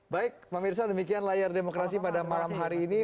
baik pak mirsa demikian layar demokrasi pada malam hari ini